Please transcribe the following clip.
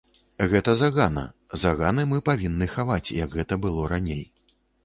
Гэта загана, заганы мы павінны хаваць, як гэта было раней.